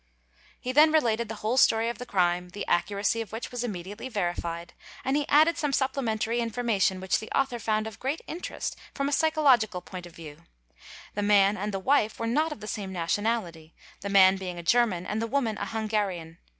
He then related the whole story of the crime, the accuracy of which was immediately verified, and he added some sup plementary information which the author found of great interest from a psychological point of view. The man and the wife were not of the same nationality, the man being a German and the woman a Hungarian.